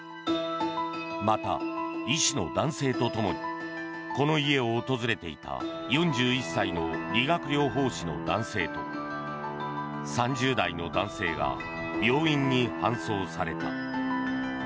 また、医師の男性とともにこの家を訪れていた４１歳の理学療法士の男性と３０代の男性が病院に搬送された。